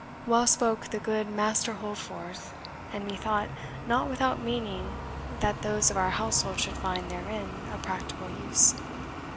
Well spoke the good Master Holdforth and, methought, not without meaning that those of our household should find therein a practical use.